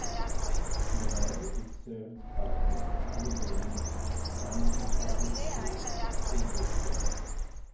LaVale is served by the Allegany County Public Schools school district.